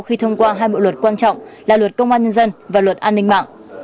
khi thông qua hai bộ luật quan trọng là luật công an nhân dân và luật an ninh mạng